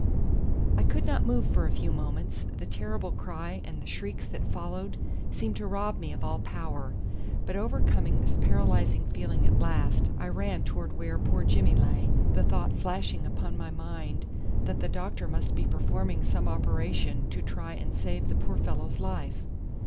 I could not move for a few moments, the terrible cry and the shrieks that followed seemed to rob me of all power; but overcoming this paralysing feeling at last, I ran towards where poor Jimmy lay, the thought flashing upon my mind that the doctor must be performing some operation to try and save the poor fellow's life.